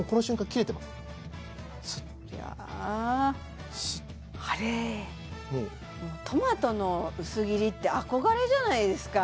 スッとスッいやあトマトの薄切りって憧れじゃないですか